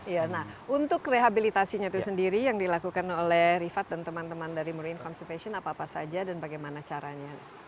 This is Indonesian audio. iya nah untuk rehabilitasinya itu sendiri yang dilakukan oleh rifat dan teman teman dari marine conservation apa apa saja dan bagaimana caranya